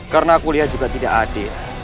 karena aku lihat juga tidak adil